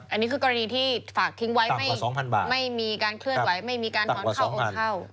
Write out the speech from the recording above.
อันนี้คือกรณีที่ฝากทิ้งไว้ไม่มีการเคลื่อนไหวไม่มีการถอนเข้าโอนเข้า